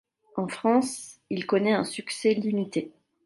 En France, il connaît un succès limité.